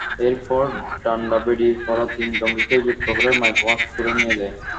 এরপর ডান্ডাবেড়ি পরা তিন জঙ্গিকে মুক্ত করে মাইক্রোবাসে তুলে নিয়ে যায়।